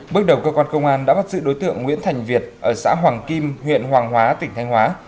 bước đầu cơ quan công an đã bắt giữ đối tượng nguyễn thành việt ở xã hoàng kim huyện hoàng hóa tỉnh thanh hóa